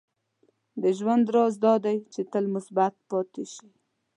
• د ژوند راز دا دی چې تل مثبت پاتې شې.